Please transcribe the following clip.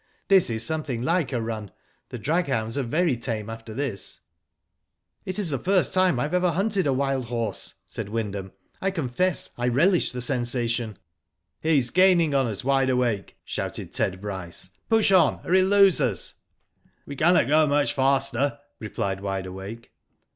This is something like a run. The draghounds are very tame after this." It is the first time I have ever hunted a wild horse," Said Wyndham. "I confess I relish the sensation." Digitized byGoogk io6 WHO DID IT? "He's gaining on us, Wide Awake," shouted Ted Bryce. " Push on or he'll lose us." *' We cannot go much faster," replied Wide Awake.